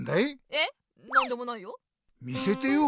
えっなんでもないよ。